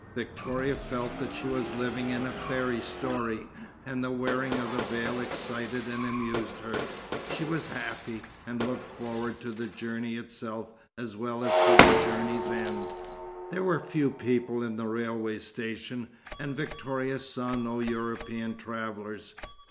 Victoria felt that she was living in a fairy story, and the wearing of the veil excited and amused her. She was happy, and looked forward to the journey itself as well as to the journey's end. There were few people in the railway station, and Victoria saw no European travellers.